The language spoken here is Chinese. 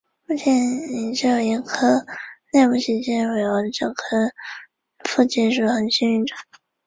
十大愿王在藏传佛教中对应的是七支供养。